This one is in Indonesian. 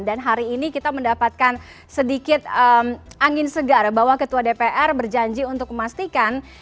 dan hari ini kita mendapatkan sedikit angin segar bahwa ketua dpr berjanji untuk memastikan